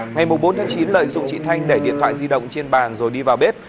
ngày bốn chín lợi dụng chị thanh để điện thoại di động trên bàn rồi đi vào bếp